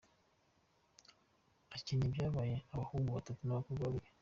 Akinyi yabyaye abahungu batatu n’abakobwa babiri.